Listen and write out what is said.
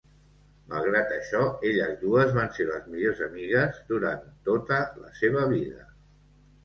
Malgrat això elles dues van ser les millors amigues durant tota la seva vida.